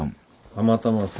たまたまさ